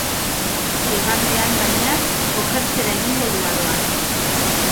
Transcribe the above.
Igandean, baina, okertzera egingo du aroak.